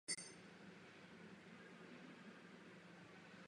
Teprve zásah královny matky jeho rozhodnutí změnil.